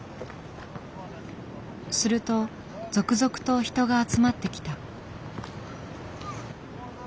すると続々と人が集まってきた。